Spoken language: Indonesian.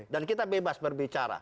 dan kita bebas berbicara